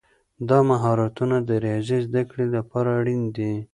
دا مهارتونه د ریاضي زده کړې لپاره اړین دي.